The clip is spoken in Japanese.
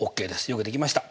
よくできました。